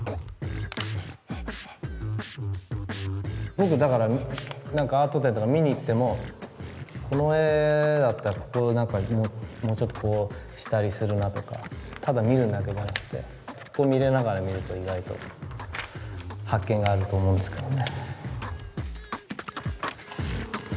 僕だから何かアート展とか見に行ってもこの絵だったらここ何かもうちょっとこうしたりするなとかただ見るだけじゃなくてツッコミ入れながら見ると意外と発見があると思うんですけどね。